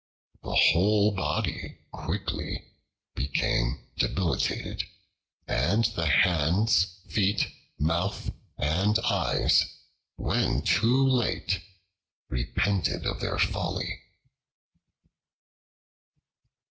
The whole Body quickly became debilitated, and the hands, feet, mouth, and eyes, when too late, repented of their folly.